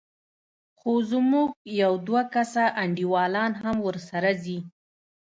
خو زموږ يو دوه کسه انډيوالان هم ورسره ځي.